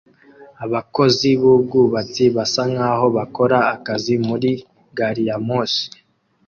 Abakozi b'ubwubatsi basa nkaho bakora akazi muri gari ya moshi